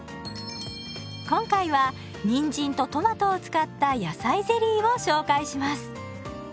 今回はにんじんとトマトを使った野菜ゼリーを紹介します。